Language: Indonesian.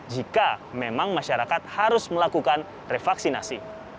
jika memang masyarakat harus melakukan revaksinasi